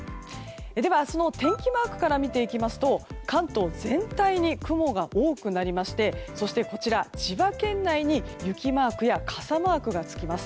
では、明日の天気マークから見ていきますと関東全体に雲が多くなりましてそして千葉県内に雪マークや傘マークがつきます。